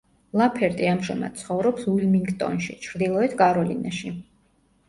ლაფერტი ამჟამად ცხოვრობს უილმინგტონში, ჩრდილოეთ კაროლინაში.